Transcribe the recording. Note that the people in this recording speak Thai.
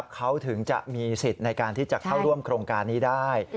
เขาถึงจะมีสิทธิ์ในการที่จะเข้าร่วมโครงการนี้ได้